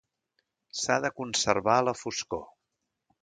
S'ha de conservar a la foscor.